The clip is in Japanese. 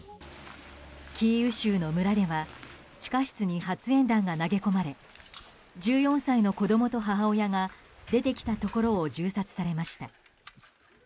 キーウ州の村では地下室に発煙弾が投げ込まれ１４歳の子供と母親が出てきたところを銃殺されました。